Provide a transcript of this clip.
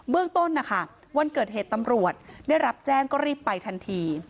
เรื่องต้นนะคะวันเกิดเหตุตำรวจได้รับแจ้งก็รีบไปทันที